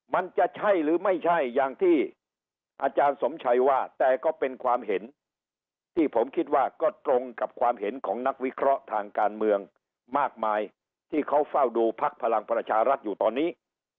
มันจะใช่หรือไม่ใช่อย่างที่อาจารย์สมชัยว่าแต่ก็เป็นความเห็นที่ผมคิดว่าก็ตรงกับความเห็นของนักวิเคราะห์ทางการเมืองมากมายที่เขาเฝ้าดูพักพลังประชารัฐอยู่ตอนนี้